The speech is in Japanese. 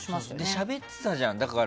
しゃべってたじゃん。